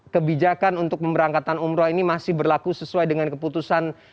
kebijakan untuk pemberangkatan umroh ini masih berlaku sesuai dengan keputusan